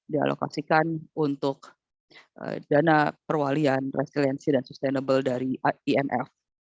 dialokasikan untuk dana perwalian resiliensi dan sustainable dari imf